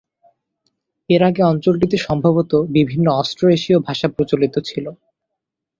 এর আগে অঞ্চলটিতে সম্ভবত বিভিন্ন অস্ট্রো-এশীয় ভাষা প্রচলিত ছিল।